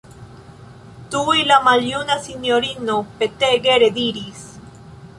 Tuj la maljuna sinjorino petege rediris: